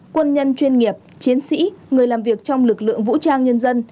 quân nhân chuyên nghiệp chiến sĩ người làm việc trong lực lượng vũ trang nhân dân